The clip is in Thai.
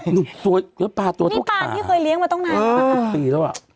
นี่ปลาที่เคยเลี้ยงมาตั้งนาน